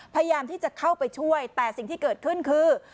พยายามที่จะเข้าไปช่วยแต่สิ่งที่เกิดขึ้นคือ